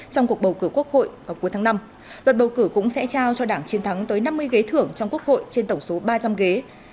trong cuộc bầu cử quốc hội vào cuối tháng năm luật bầu cử cũng sẽ trao cho đảng chiến thắng tới năm mươi ghế thưởng trong quốc hội trên tổng số ba trăm linh ghế